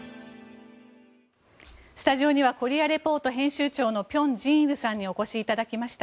スタジオには「コリア・レポート」編集長の辺真一さんにお越しいただきました。